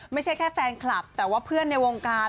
ไม่ใช่แค่แฟนคลับแต่ว่าเพื่อนในวงการ